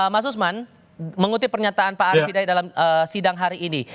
mas usman mengutip pernyataan pak arief hidayat dalam sidang hari ini